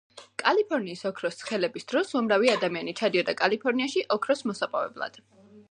კალიფორნიის ოქროს ცხელების დროს უამრავი ადამიანი ჩადიოდა კალიფორნიაში ოქროს მოსაპოვებლად.